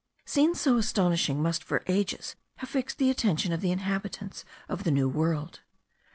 Scenes so astonishing must for ages have fixed the attention of the inhabitants of the New World.